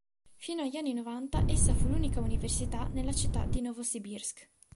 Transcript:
Fino agli anni novanta essa fu l'unica università nella città di Novosibirsk.